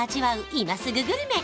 今すぐグルメ！！